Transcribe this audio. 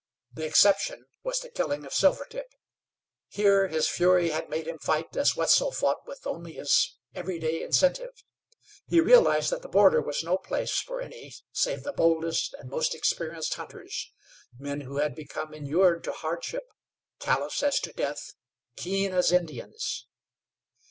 The exception was the killing of Silvertip. Here his fury had made him fight as Wetzel fought with only his every day incentive. He realized that the border was no place for any save the boldest and most experienced hunters men who had become inured to hardship, callous as to death, keen as Indians.